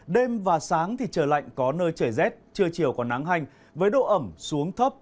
đêm và sáng thì trời lạnh có nơi trời rét trưa chiều còn nắng hành với độ ẩm xuống thấp